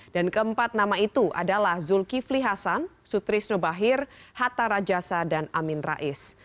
dan keempat nama itu adalah zulkifli hasan sutris nobahir hatta rajasa dan amin rais